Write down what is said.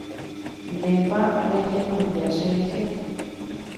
Ndépa rejerovia cherehe.